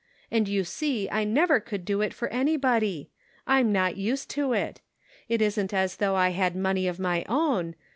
And you see I never could do it for anybody. I'm not used to it. It isn't as though I had money of my own.